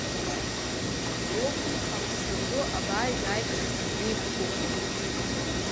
Лыхәԥҳа Мсым Ду абаажә аиԥш диқәгәыӷуан.